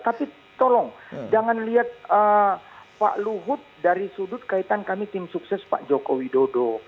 tapi tolong jangan lihat pak luhut dari sudut kaitan kami tim sukses pak joko widodo